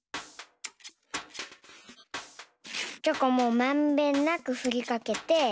チョコもまんべんなくふりかけて。